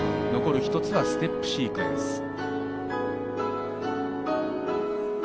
残る１つはステップシークエンス。